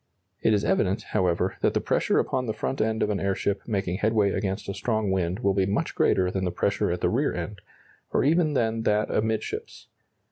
It is evident, however, that the pressure upon the front end of an airship making headway against a strong wind will be much greater than the pressure at the rear end, or even than that amidships.